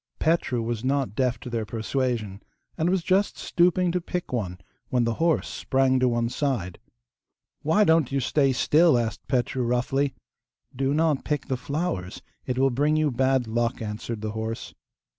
Petru was not deaf to their persuasion, and was just stooping to pick one when the horse sprang to one side. 'Why don't you stay still?' asked Petru roughly. 'Do not pick the flowers; it will bring you bad luck; answered the horse.